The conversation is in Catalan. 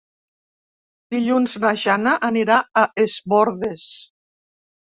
Dilluns na Jana anirà a Es Bòrdes.